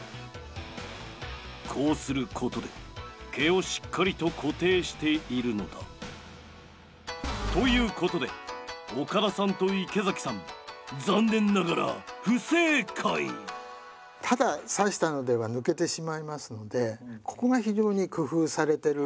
こうすることで毛をしっかりと固定しているのだ。ということで岡田さんと池崎さん残念ながらただ挿したのでは抜けてしまいますのでここが非常に工夫されてる。